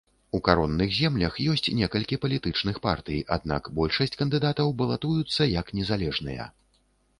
У каронных землях ёсць некалькі палітычных партый, аднак большасць кандыдатаў балатуюцца як незалежныя.